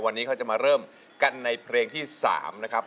วันนี้เขาจะมาเริ่มกันในเพลงที่๓นะครับ